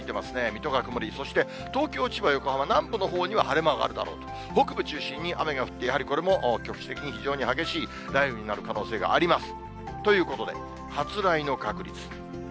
水戸が曇り、そして東京、千葉、横浜、南部のほうには晴れ間があるだろうと、北部を中心に雨が降って、やはりこれも局地的に非常に激しい雷雨になる可能性があります。